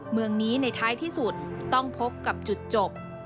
เมืองนี้ในท้ายที่สุดต้องพบกับจุดจบ